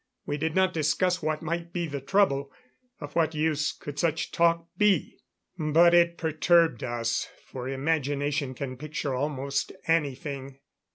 We did not discuss what might be the trouble. Of what use could such talk be? But it perturbed us, for imagination can picture almost anything.